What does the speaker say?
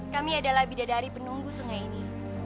kami adalah bidadari penunggu sungai ini